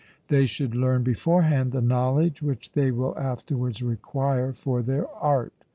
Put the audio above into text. They should learn beforehand the knowledge which they will afterwards require for their art.